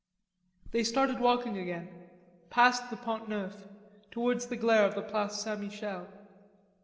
They started walking again, past the Pont Neuf, towards the glare of the Place St. Michel.